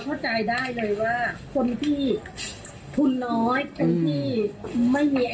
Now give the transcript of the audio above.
โหแต่เดินนะอะไรล่ะ